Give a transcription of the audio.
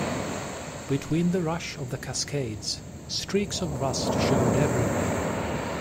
Between the rush of the cascades, streaks of rust showed everywhere.